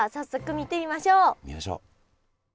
見ましょう。